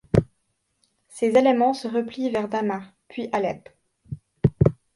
Ses éléments se replient vers Damas, puis Alep.